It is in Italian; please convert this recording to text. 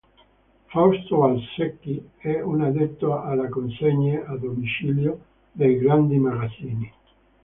Fausto Valsecchi è un addetto alle consegne a domicilio dei Grandi magazzini.